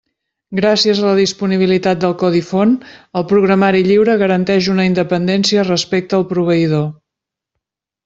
Gràcies a la disponibilitat del codi font, el programari lliure garanteix una independència respecte al proveïdor.